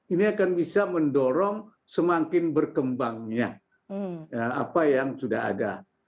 ini akan bisa mendorong semakin berkembangnya apa yang sudah ada